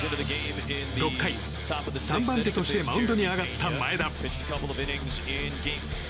６回、３番手としてマウンドに上がった前田。